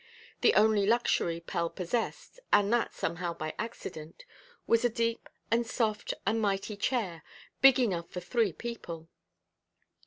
The only luxury Pell possessed—and that somehow by accident—was a deep, and soft, and mighty chair, big enough for three people.